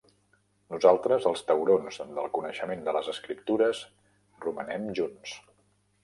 Nosaltres, els taurons del coneixement de les Escriptures romanem junts.